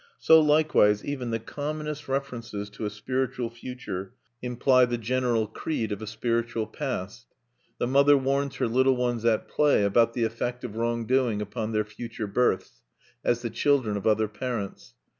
So likewise even the commonest references to a spiritual future imply the general creed of a spiritual past. The mother warns her little ones at play about the effect of wrong doing upon their future births, as the children of other parents.